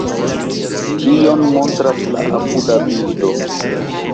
Tion montras la apuda bildo.